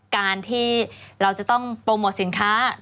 การที่เราจะต้องโปรโมทสินค้า